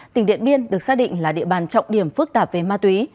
tỉnh điện biên được xác định là địa bàn trọng điểm phức tạp về ma túy